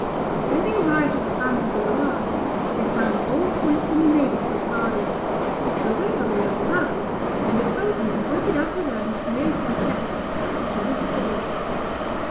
When they arrived at the bank of the Loire, they found all points in the neighborhood guarded; the river was low; and a boatman pointed out to them, near Sancerre, a possible ford.